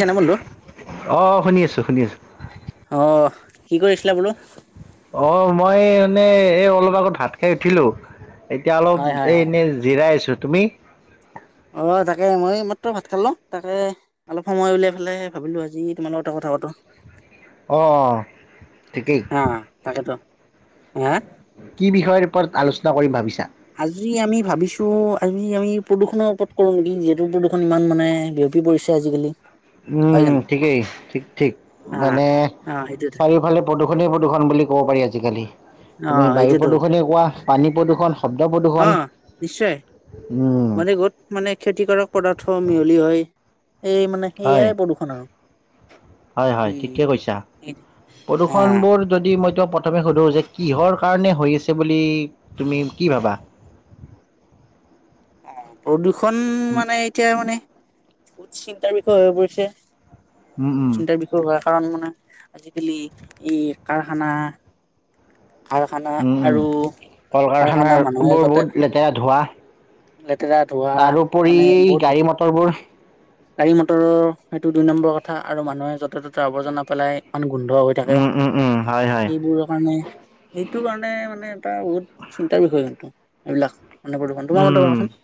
যেনে বন্ধু অ শুনি আছো জুখিন আছে আহ কি কৰিছিলা বোলো অ মই মানে এই অলপ আগত হাত খাই উঠিলো এতিয়া অলপ হয় হয় এ হয় এনেই জিৰাই আছো তুমি অ তাকে মই মাত্ৰ ভাত খালালো তাকে অলপ সময় উলিয়াই পেলাই ভাবিলো আজি তোমাৰ লগতে কথা পাতো অঁ ঠিকেই হা তাকেেতো কি বিষয়ৰ ওপৰত আলোচনা কৰিম ভাবিছা আজি আমি ভাবিছো আজি আমি প্ৰদূষণৰ ওপৰত কৰো নেকি যিহেতু প্ৰদূৰষণ ইমান মানে বিয়পি পৰিছে আজিকালি হয় উম জানো ঠিকেই ঠিক ঠিক অ মানে অ সেইটোতো চাৰিওফালে প্ৰদূষণী দুখন বুলি ক'ব পাৰি আজিকালি অ তুমি বায়ু সেইটোতো প্ৰদূষণে কোৱা পানী প্ৰদূষণ। শব্দ প্ৰদূষণ অ', নিশ্চয়, [unintelligible] উম মানে ক'ত মানে খেতিকাৰক পদাৰ্থ মিহলি হয়। এই মানে হয়, সেয়াই প্ৰদূষণ আৰু হয়, হয় উম ঠিকে কৈছা, অ প্ৰদূষণবোৰ যদি মই প্ৰথমে সোধোঁ যে, কিহৰ কাৰণে হৈ আছে বুলি তুমি কি ভাবা? অ', প্ৰদু ষণ মানে এতিয়া মানে বহুত চিন্তাৰ বিষয়ে হৈ পৰিছে। উম উম চিন্তাৰ বিষয় হোৱা কাৰণ মানে আজিকালি ই, কাৰখানা কাৰখানা উম, আৰু কল কাৰখানা কাৰখানাবোৰ বহুত লেতেৰা ধোঁৱা লেত তাৰোপৰি গাড়ী মটৰবোৰ গাড়ী মটৰৰ সেইটো দুই নম্বৰ কথা, আৰু মানুহে য'তে ত'তে আৱৰ্জনা পেলাই। ইমান গোন্ধ হৈ থাকে, উম, উম, উম, হয়, হয়, এইবোৰৰ কাৰণে এইটো কাৰণে মানে এটা বহুত চিন্তাৰ বিষয় কিন্তু এইবিলাক। মানে প্ৰদূষণ তোমাৰ মতে উম, কোৱাচোন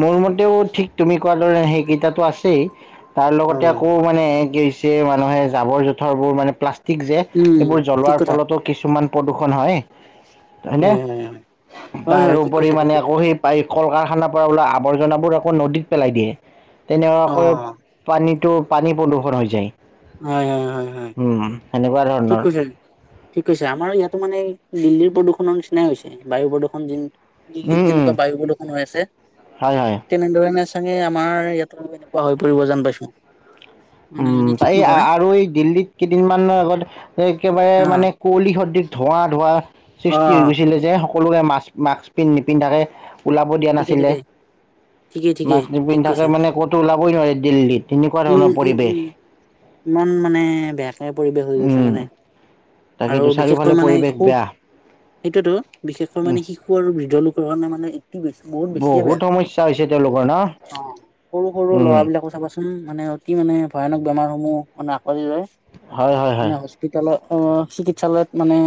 মোৰ মতেও ঠিক তুমি কোৱা [unintelligible] সেইকিটাটো আছেই তাৰ লগতে হয় হয় আকৌ মানে কি মানুহে জাবৰ জোথৰবোৰ মানে প্লাষ্ট টিক যে, উম এইবোৰ ঠিক জ্বলোৱাৰ কথা ফলতো কিছুমান প্ৰদূষণ হয়। হয়নে? হয় হয় হয় হয় হয় ঠিক তাৰোপৰি কৈছা ঠিক মানে কৈছা আকৌ সেই পা কল কাৰখানাৰ পৰা ওলোৱা আৱৰ্জনাবোৰ আকৌ নদীত পেলাই দিয়ে। অ তেনেকুৱাকৈ পানীটো পানী প্ৰদূষণ হৈ, যায়। হয় হয় হয় হয় উম, সেনেকুৱা ঠিক ধৰণৰ। কৈছা ঠিক কৈছে, আমাৰ ইয়াতো মানে দিল্লীৰ প্ৰদূৰষণৰ নিচিনাই হৈছে, বায়ু প্ৰদূষণ যিন দিল্লীত উম, উম। যেনেকুৱা বায়ু প্ৰদূষণ হৈ আছে, হয়, হয়। ঠিক তেনেধৰণে [unintelligible] আমাৰ ইয়াতো এনেকুৱা হৈ পৰিব যেন পাইছোঁ। [unintelligible] আ-আৰু এই দিল্লীত কেইদিনমানৰ আগত একেবাৰে হা মানে কুঁৱলী ধোৱাঁ, ধোঁৱা অ সৃষ্টি হৈ, গৈছিলে যে সকলে মাক্স মাক্স নিপিন্ধাকে ওলাব দিয়া ঠিকে নাছিলে, ঠিকে ঠিকে ঠিকে মাক্স ঠিক নিপিন্ধাকে কৈছা মানে ক'তো ওলাবই নোৱাৰি দিল্লীত তেনেকুৱা উম ধৰণৰ উম পৰিৱেশ। উম ইমান মানে বেয়াকে পৰিৱেশ হৈ গৈছে উম, মানে। আৰু তাকেইতো বিশেষকৈ চাৰিওফালে মানে পৰিৱেশ সুখ বেয়া। সেইটোৱেটো। বিশেষকৈ মানে উম, শিশু আৰু বিজ্ঞানীক কোৰান মানে ঈদ কি বেছি বহুত বেছিয়ে বেয়া, সমস্যা হৈছে তেওঁলোকৰ ন? অ' সৰু সৰু ল'ৰা উম, বিলাকৰ চাবাচোন। মানে কি মানে ভয়ানক বেমাৰসমূহ আমাক [unintelligible] হয়, হয়, হয়, মানে হস্পিটালত অ' চিকিৎসালয়ত মানে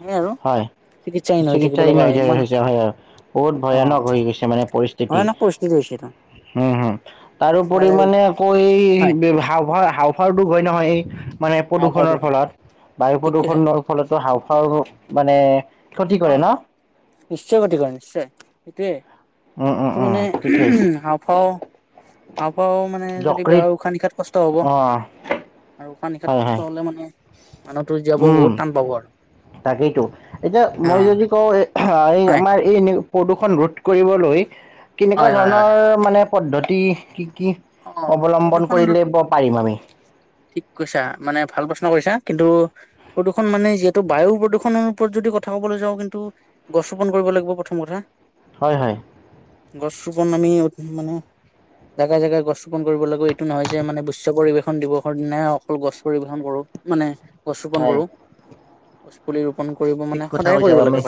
হেই আৰু হয়। চিকিৎসাহিন হৈ থাকিব চিকিৎসাহীন লগা হৈ যায় ইমান আছে। হৈছে হয়, হয়। বহুত ভয়ানক হৈ গৈছে, মানে পৰিস্থিত। তেটি, ভয়ানক পৰিস্থিতি হৈছে এইটো উম, উম, তাৰোপৰি তাৰে মানে আক হয় ব্যৱহাৰ। অ' হাওফাওটো গৈ নহয় এই। মানে হাওঁফাওঁটো প্ৰদূষণৰ হয় ফলত। বায়ু ঠিক কৈছা প্ৰদূৰষণৰ ফলতে। হাওফাওৰো। মানে। ক্ষতি অ কৰে ন? নিশ্চয় গতিকে নিশ্চয় এটোয়ে। উম, উম, এটো উম, মানে ঠিকেই [unintelligible] হাওফাও হাওঁফাও, মানে যদি গাৰ যকৃত উশাহ নিশাহাত কষ্ট হ'ব অ' আৰু। উশাহ -নিশাত হয়, কষ্ট হয়, হ'লে মানে, মানুহতো জীয়াবৰ উম। বহুত টান পাব আৰু। তাকেইতো। এতিয়া, অ মই যদি কওঁ এই। হয় এই আমাৰ এই এনেও প্ৰদূষণ ৰোধ কৰিবলৈ কেনেকুৱা হয় হয় হয় ধৰণৰ মানে পদ্ধতি কি অ', অৱলম্বন প্ৰদূষন কৰিলে পাৰিম আমি ঠিক কৈছা, মানে ভাল প্ৰশ্ন কৰিছা। কিন্তু প্ৰদূষণ মানে, যিহেতু বায়ু প্ৰদূষণৰ ওপৰত যদি কথা কবলৈ যাওঁ, কিন্তু গছ ৰোপন কৰিব লাগিব প্ৰথম কথা। হয়, হয়। গছ ৰোপণ আমি [unintelligible] মানে জেগা, জেগা গছ ৰোপন কৰিব গৈ এইটো, নহয় যে, মানে বিশ্ব পৰিবেশন দিৱসৰ দিনাই অকল গছ পৰিবেশন কৰোঁ মানে। গছ ৰোপন হয়, কৰোঁ। গছ পুলি ৰু ঠিক কথা কৈছা আমি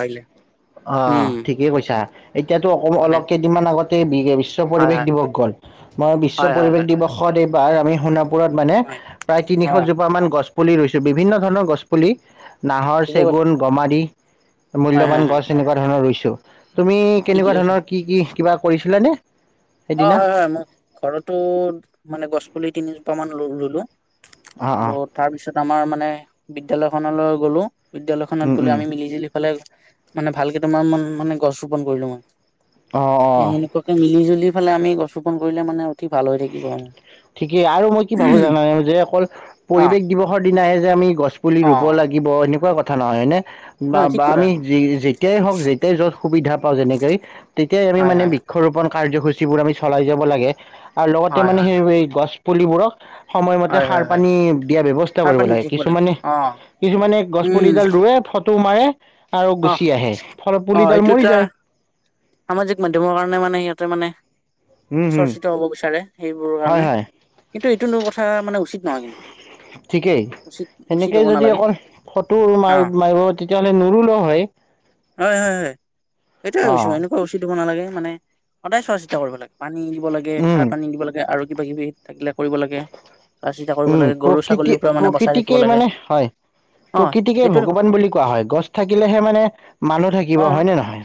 অ', উম ঠিকেই কৈছা, এতিয়াতো মানে অক-অলপ কেইদিনমান আগতে বি-বিশ্ব হয় পৰিৱেশ হয় দিৱস গ'ল মই বিশ্ব হয় হয় পৰিৱেশ হয় দিৱসৱ [unintelligible] আমি শুনা ওপৰত মানে হয় প্ৰায় অ তিনিশ জোপা মান গছ পুলি ৰুইছে, বিভিন্ন ধৰণৰ গছ পুলি। নাহৰ, ঠিকে কৈছা চেকু গমা দি, হয় হয় মূল্যবান হয় গছ এনেকুৱা [unintelligible] ৰুইছো। তুমি ঠিকে কেনেকুৱা কৈছা ধৰণৰ কি কি কিবা কৰিছিলে নে? অ' হয় হয়, মই ঘৰতো মানে গছ পুলি তিনি জোপা মান ৰুলো। অ' আৰু, অ' তাৰ পিছত আমাৰ মানে বিদ্যালয় খনলৈ গলো। বিদ্যালয়খনত উম বোলে উম আমি মিলি জুলি পেলাই মানে ভালকে তোমাৰ মন মানে গছ ৰোপন কৰিলো মই। অ' এ অ'। সেনেকুৱাকে মিলি জুলি এইফালে আমি গছ ৰোপন কৰিলে মানে অতি ভাল হৈ থাকিব আৰু ঠিকেই আৰু মই কি ভাবো জানান, যে অকল অ পৰিৱেশ দিৱসৰ দিনা আহে যে আমি গছ পুলি অ ৰুব লাগিব এনেকুৱা কথা কথা নহয়, হয়নে? বা নহয় ঠিক বা কথা আমি যেতিয়াই হওক যেতিয়াই যত সুবিধা পাওঁ যেনেকে তেতিয়াই আমি হয় মানে হয় বৃক্ষৰোপন কাৰ্যসূচীবোৰ আমি চলাই যাব লাগে। আৰু লগতে হয় মানে হয় সেই এই গছ পুলিবোৰক সময়মতে হয় হয় সাৰ হয় পানী দিয়া ব্যৱস্থা সাৰ কৰিব পানী দি লাগে। থাকিব কিছুমানে অ কিছুমানে গছ পুলিডাল ৰুৱে তো মাৰে আৰু গুচি অহ', আহে ফলত অহ', পুলিডাল সেইটো মৰি এটা যায় সামাজিক মাধ্যমৰ কাৰণে মানে সিহতে মানে অতি চৰ্চিত হ'ব বিচাৰে। সেইবোৰৰ কাৰণে হয়-হয় কিন্তু এইটো কথা মানে উচিত নহয় কিন্তু ঠিকেই উচিত উচিত সেনেকে হ'ব যদি নালাগে অকল ফটো মাৰ- মাৰিব তেতিয়াহ'লে নৰো ন ' হয়-হয়-হয় এইটোৱেই কৈছোঁ অ', এনেকোৱা উচিতো। একো নালাগেই মানে সদায় চোৱা-চিতা কৰিব লাগে পানী দিব লাগে সাৰ উম, পানী দিব লাগে আৰু কিবা-কিবি উম, লাগে গৰু প্ৰকৃতি ছাগলীৰ পৰা মানে বচাই ৰাখিব প্ৰকৃতিকে লাগে মানে হয়, অ প্ৰকৃতিকে সেইটোৱে কথা ভগৱান বুলি কোৱা হয়, গছ থাকিলেহে মানে মানুহ থাকিব অ হয়নে নহয়,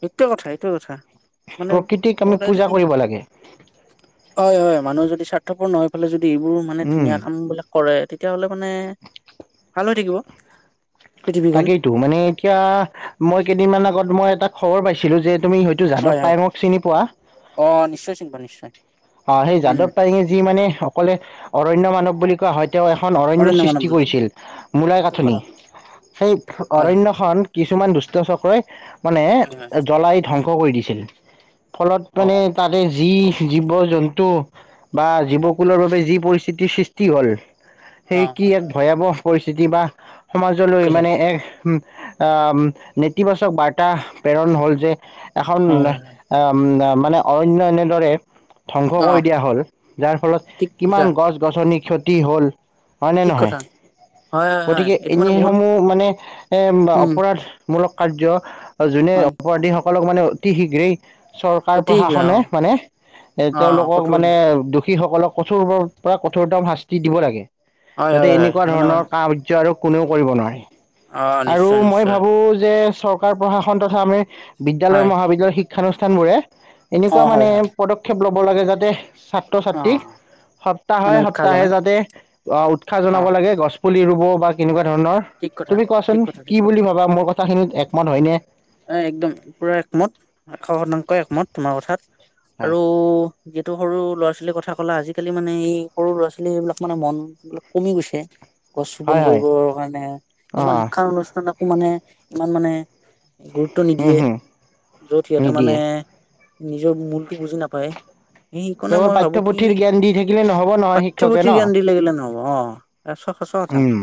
সেইটোৱে কথা সেইটোৱে কথা মানে প্ৰকৃতিক আমি সদায় পূজা যদি কৰিব লাগে। উত্থাপন হৈ ফেলে যদি দি এইবোৰ মানে উম, ধুনীয়া কামবিলাক কৰে। তেতিয়াহ'লে মানে ভাল হৈ থাকিব। পৃথিৱীখন তাকেইটো মানে এতিয়া আ মই কেইদিনমান আগত মই এটা খবৰ পাইছিলোঁ যে তুমি হয়তো যাদৱ হয় হয় পায়ঙক চিনি পোৱা। অ নিশ্চয় চিন্তা নিশ্চয় অ', সেই উম যাদৱ পায়ঙে যি মানে অকলে অৰণ্য মানৱ বুলি কোৱা হয়, তেওঁ এখন অৰণ্য মানৱ সৃষ্টি বুলি কয়, কৰিছিল মূলাই ঠিক কাথনি কথা সেই হয় অৰণ্যখন কিছু মান দুষ্ট চক্ৰই মানে হয় হয় হয় জ্বলাই ধ্বংস ক' কৰি দিছিল। ফলত অ মানে তাতে যি জীৱ জন্তু বা হয় হয় হয় জীৱকুলৰ বাবে যি পৰিস্থিতি কি সৃষ্টি হ'ল? অ সেই কি হয় এক হয় ভয়াৱহ পৰিস্থিতি বা ঠিক সমাজলৈ কৈছা মানে এক আহ নেতিবাচক বাৰ্তা প্ৰেৰণ হল যে এখন অ অ উ মানে [unintelligible] এনেদৰে ধ্বংস অ কৰি দিয়া হল, যাৰ ফলত ঠিক কৈছা কিমান গছ গছনি ক্ষতি হ'ল। হয় নে ঠিক নহয় কথা হয় হয় হয় গতিকে এইটো মানে বহুত এনেসমূহ মানে এ উম অপৰাধমূলক কাৰ্য আৰু যোনে হয় অপৰাধী অলপ মানে অতি শীঘ্ৰেই চৰকাৰ অতি অ প্ৰশাসনে মানে অ তেওঁলোকক কঠোৰ মানে দোষীসকলক কঠোৰ পৰা কঠোৰ দাম শাস্তি দিব লাগে। হয় যাতে হয় হয় এনেকুৱা মানে ধৰণৰ মানে কাম আৰু কোনেও কৰিব নোৱাৰে অ আৰু নিশ্চয় মই নিশ্চয় ভাবো যে চৰকাৰ প্ৰশাসন তথা আমি বিদ্যালয়, হয় মহাবিদ্যালয় শি শিক্ষানুষ্ঠান বোৰে অ এনেকুৱা হয় মানে হয় পদক্ষেপ ল'ব লাগে যাতে অ ছাত্ৰ-ছাত্ৰীক সপ্তাহে মানে উৎসাহ সপ্তাহে জনাই যাতে আহ' উৎসাহ অ জনাব লাগে গছ পুলি ৰুব বা কেনেকুৱা ধৰণৰ ঠিক কথা, তুমি কোৱাচোন ঠিক কথা, কি ঠিক কথা, বুলি ভাবা মোৰ কথাখিনিত একমত হয়নে? এ একদম পুৰা একমত। এশ শতাংশ একমত তোমাৰ কথাত। আৰু যিহেতু সৰু ল'ৰা ছোৱালীৰ কথা কলা। আজিকালি মানে এই সৰু ল'ৰা ছোৱালী বিলাক মানে মৰম বিলাক কমি গৈছে। গছ ৰোপন হয় হয় কৰিব কাৰণে অ কিছুমান শিক্ষা অনুষ্ঠান মানকো মানে ইমান মানে গুৰুত্ব উম নিদিয়ে। হম যত সিহঁতেৰ মানে নিদিয়ে নিজৰ মূল বুজি নাপায়। সেইকাৰণে কেৱল মই ভাবো কি পাঠ্যপুথিৰ জ্ঞান দি থাকিলে নহ'ব নহয় শিক্ষকে ন পাঠ্যপুথিৰ জ্ঞান দি লাগিলে নহ'ব। চব সঁচা কথা। উম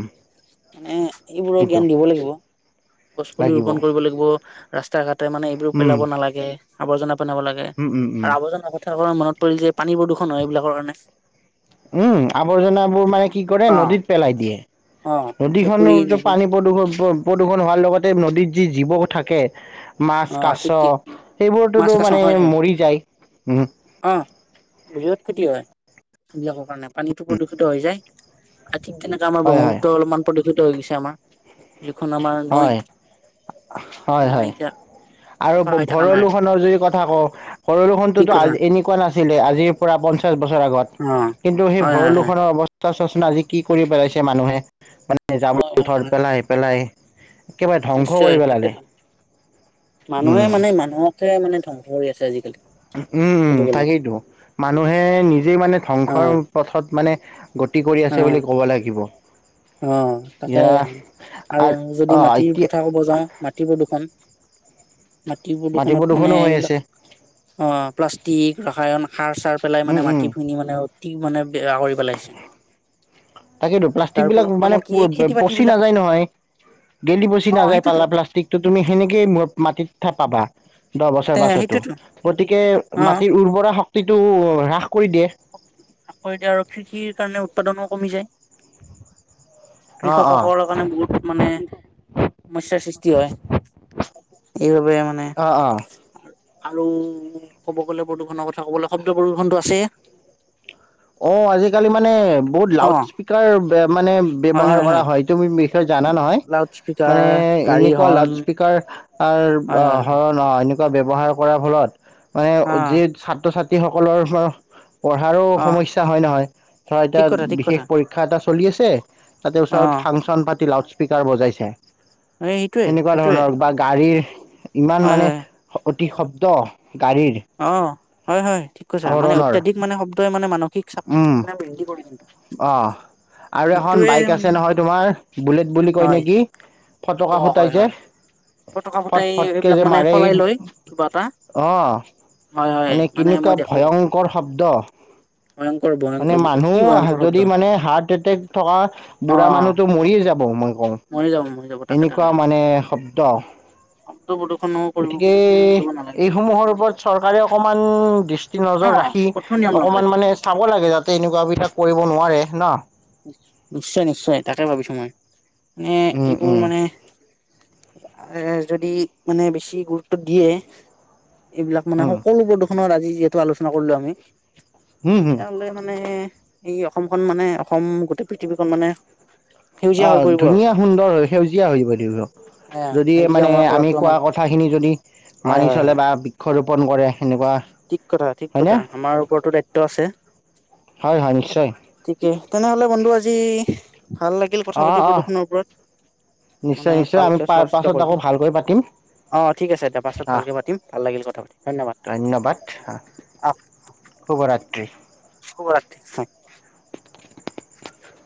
মানে এইবোৰৰ সেইটো জ্ঞান দিব লাগিব। গছ পুলি লাগিব ৰোপন কৰিব লাগিব ৰাস্তা ঘাট তাতে মানে এইবোৰো উম পেলাব নালাগে আবৰ্জনা বনাব লাগে উম উম উম আৰু আৱৰ্জনা তাৰপৰা মনত পৰিলে যে পানী প্ৰদূষণ হয় এইবিলাকৰ কাৰণে। উম আৱৰ্জনাবোৰ মানে কি কৰে অ নদীত পেলাই দিয়ে অ নদী পুখুৰী [unintelligible] নব পানী প্ৰদূষণ প-প্ৰদূষণ হোৱাৰ লগতে নদীত যি জীৱ থাকে মাছ অ কাছ ঠিক ঠিক মাছ সেইবোৰতোতো কাছ মানে হয় হয় মৰি যায় উম। অ বিৰাট ক্ষতি হয় এইবিলাকৰ কাৰণে পানীতো প্ৰদূষিত হৈ যায়। তেনেকে আমাৰ হয় হয় ব্ৰহ্মপুত্ৰৰ অলপ প্ৰতি সিটো হৈ গৈছে আমাৰ। যিখন আমাৰ নৈ হয় হয় ইমান হয় মানে এতিয়া। চফা আৰু হৈ থকা নাই আৰু ভৰলো খনৰ যদি কথা কওঁ ঠিক ভৰলুখনতোতো কথা এনেকুৱা নাছিলে আজিৰ পৰা পঞ্চাশ বছৰ অ আগত কিন্তু সেই হয় হয় হয় ভৰলো খনৰ অৱস্থা চাচোন আজি কি কৰি পেলাইছে মানুহে। মানে যাবৰ- হয় হয় জোথৰ হয় পেলাই। তাকে। একেবাৰে ধ্বংস নিশ্চয় কৰি পেলালে। তাকেতো মানুহে উম মানে মানুহকে মানে থম। ম আছে আজিকালি। উম, উম ক'ব গ'লে তাকেইেতো মানুহে নিজেই মানে অ ধ্বংসৰ পথত মানে গতি কৰি আছে বুলি অ' ক'ব লাগিব অ' তাকে এতিয়া আৰু অ যদি মাটিৰ এতিয়া কথা কব যাও মাটি প্ৰদূষণ। মাটি প্ৰদূষণত মানে প্ৰদূষণো হৈ এইবিলাক আছে অ' প্লাষ্টিক ঠিক ৰসায়ন সাৰ চাৰ পেলাই উম মানে উম মাটিৰ খিনিও মানে অতি মানে বেয়া কৰি পেলাইছে। তাকেতো প্লাষ্টিক তাৰ বিলাক ফলত মানে কি এই খেতি বাতি পচি বিলাক নাযায় নহয়। গেলি পচি অ নাযায় সেইটোতো পালা প্লাষ্টিকটো। তুমি সেনেকেই মাটিত পাবা দহ বছৰ তে পাছতো, সেইটোতো গতিকে অ মাটিৰ উৰ্বৰা শক্তি টো হ্ৰাস আকৌ এতিয়া আৰু কৃষিৰ কাৰণে উৎপাদনো কমিছে। অ কৃষকসকলৰ অ কাৰণে বহুত মানে সমস্যাৰ সৃষ্টি হয়। এইবাবে মানে অ' অ' আৰু কব গ'লে প্ৰদূষণৰ কথা ক'ব গ'লে শব্দ প্ৰদূষনটো আছে অ আজিকালি মানে বহুত অ লাউড স্পকাৰ মানে ব্য্ৱহাৰ কৰা হয় এইটোি বিষয় জানা নহয় লাউড স্পীকাৰ মানে গাড়ী এনেকুৱা হৰ্ণ লাউড স্পীকাৰ আৰু হয় হয় হয় অৰণ এনেুৱা ব্যৱহাৰ কৰাৰ ফলত অ মানে যি ছাত্ৰ ছাত সেই সকলৰ পৰা পঢ়াৰ অ সমস্যা হয় নহয় ধৰা ঠিক কথা এতিয়া ঠিক কথা বিশেষ পৰীক্ষা এটা চলি আছে তাতে অ ওচৰত ফাংচন পাতি লাউড স্পীকাৰ বজাইছে এই সেইটোয়ে সেনেকুৱা সেইটোয়ে ধৰণৰ বা গাড়ীৰ ইমান হয় মানে হয় শব তি শব্দ গাড়ীৰ অ হয় হয় ঠিক কৈছা মানে হৰণৰ অত্যাধিক মানে শব্দই মানে মানসিক চাপ মানে বৃদ্ধি কৰিব অঁ আৰু এখন বাইক মানে আছে নহয় তোমাৰ বুলেট বুলি কয় হয় নেকি ফটকা ফুটাই যে ফতকা ফট ফটাই ফটকে এইবিলাক যে মানে মাৰে সলাই লৈ কিবা এটা অ হয় হয় মানে মই কেনেকুৱা দেখো ভয়ংকৰ শব্দ ভয়ংকৰ মানে ভয়ংকৰ অতি মানুহ ভয়ংকৰ শব্দ যদি মানে হাৰ্ট এটেক থকা বুঢ়া অ মানুহতটো মৰিয়ে যাব মই কওঁ মৰি যাব মৰি যাব তাকে এনেকুৱা তাকে মানে শব্দ শব্দ প্ৰদূষণো কৰিব গতিকে মানে কৰিব নালাগে এইসমূহৰ ওপৰত চৰকাৰে অকণমান সু দৃস্ট কি অ নজৰ ৰাখি কঠোৰ নিয়ম ল'ব অকনমান লাগে মানে চাব লাগে য তেনেকুৱা বিলাক কৰিব নোৱাৰে ন নিশ্চয় নিশ্চয় তাকে ভাবিছো মই নে উম এইবোৰ উম মানে এ এ যদি মানে বেছি গুৰুত্ব দিয়ে এইবিলাক মানে উম সকলোবোৰ দোষ নৰ আজি যিহেতু আলোচনা কৰিলো আমি হম হম এহলে মানে এই অসমখন মানে অক অসম গোটেই পৃথিৱীখন মানে সেউজীয়া অ হৈ পৰিব আৰু ধুনীয়া সুন্দৰ হৈ সেউজীয়া হৈ যাব দেউ এ যদি মানে সেউজীয়াময় আমি কৰাটো আমাৰ কোৱা কথাখিনি যদি হয় মানি হয় চলে হয় বা বৃক্ষ ৰোপণ কৰে। সেনেকুৱা ঠিক কথা, ঠিক হয়নে কথা, আমাৰ ওপৰতো দায়িত্ব আছে, হয় হয় নিশ্চয় ঠিকে তেনে হ'লে বন্ধু আজি ভাল লাগিল কথা অ পাতি অ প্ৰদূষনৰৰ ওপৰত, মানে নিশ্চয় নিশ্চয় আমি ভালকে পা চৰ্চিত পাছত আকৌ কৰিলোঁ ভালকৈ পাতিম অ' ঠিক আছে, এতিয়া পাছত আহ ভালকে পাতিম ভাল লাগিল কথা পাতি, ধন্যবাদ। হা আহ শুভৰা ৰাতি। শুভৰাত্ৰি [unintelligible]